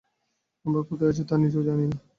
আমরা কোথায় আছি তা নিজেও জানি না।